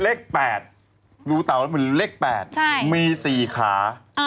เล็กแปดดูต่าวแล้วเหมือนเล็กแปดมีสี่ขา